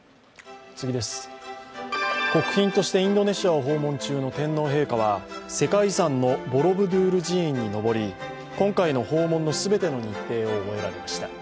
国賓としてインドネシアを訪問中の天皇陛下は世界遺産のボロブドゥール寺院に上り今回の訪問の全ての日程を終えられました。